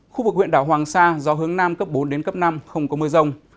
khu vực huyện đảo hoàng sa gió hướng nam cấp bốn đến cấp năm không có mưa rông